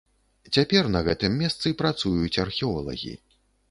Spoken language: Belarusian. Цяпер на гэтым месцы працуюць археолагі.